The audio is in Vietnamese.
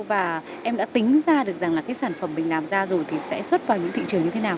và em đã tính ra được rằng là cái sản phẩm mình làm ra rồi thì sẽ xuất vào những thị trường như thế nào